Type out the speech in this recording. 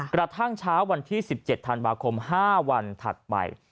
กระทั่งเช้าวันที่๑๗ธันวาคม๕วันถัดไป